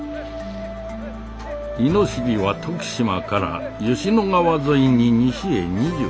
猪尻は徳島から吉野川沿いに西へ２０里。